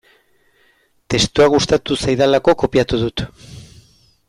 Testua gustatu zaidalako kopiatu dut.